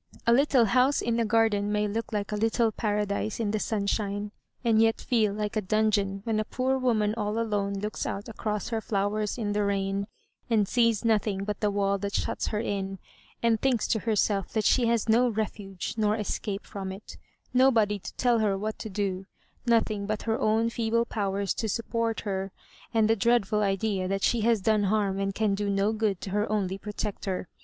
A little house in a garden may look like a little paradiao Digitized by VjOOQIC HISS MABJOEIBAKKS. 79 in the sunshine, and jet feel like a dungeon when a poor woman all alone looks out across her flowers in the rain, and sees nothing but the wall that shuts her in, and thinks to herself that she has no refuge nor escape from it — ^nobody to tell her what to do, nothing but her own feeble powers to support her, and the dreadful idea that she has done harm and can do no good to her only protector.